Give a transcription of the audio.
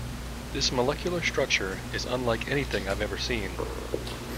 This molecular structure is unlike anything I've ever seen.